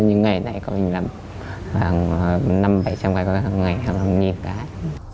có hàng ngày khoảng hàng nghìn cái